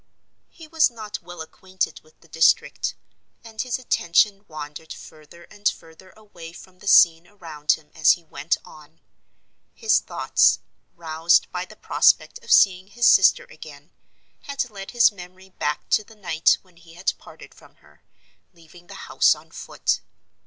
He was not well acquainted with the district; and his attention wandered further and further away from the scene around him as he went on. His thoughts, roused by the prospect of seeing his sister again, had led his memory back to the night when he had parted from her, leaving the house on foot.